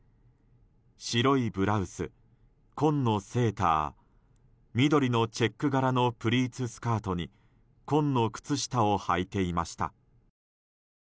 白いブラウス、紺のセーター緑のチェック柄のプリーツスカートに紺の靴下をはいていました。